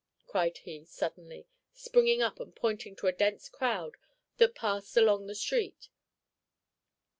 cried he, suddenly, springing up and pointing to a dense crowd that passed along the street.